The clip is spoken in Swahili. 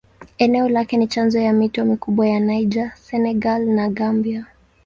Eneo lake ni chanzo ya mito mikubwa ya Niger, Senegal na Gambia.